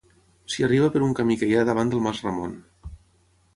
S'hi arriba per un camí que hi ha davant del Mas Ramon.